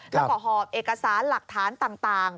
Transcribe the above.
แล้วก็หอบเอกสารหลักฐานต่าง